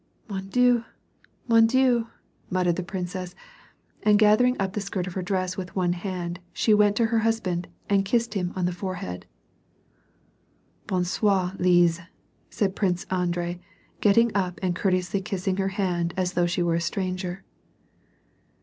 " Man Dieu ! Mo7i Dleu I " muttered the princess, and gathering up the skirt of her dress with one hand, she went to her husband and kissed him on the forehead. " Bon soivy Lise," said Prince Andrei, getting up and cour teously kissing her hand as though she were a stranger.